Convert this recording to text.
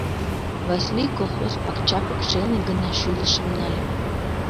Васлий колхоз пакча покшелне гына шӱлышым нале.